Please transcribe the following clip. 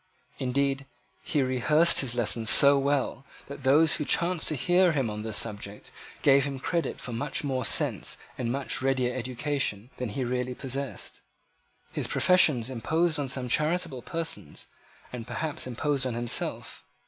Indeed he rehearsed his lesson so well, that those who chanced to hear him on this subject gave him credit for much more sense and much readier elocution than he really possessed. His professions imposed on some charitable persons, and perhaps imposed on himself.